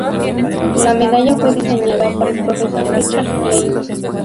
La medalla fue diseñada por el Profesor Richard Klein.